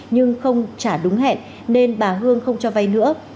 nhưng không trả đúng hẹn nên bà hương không cho vay nữa